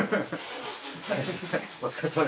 お疲れさまでした。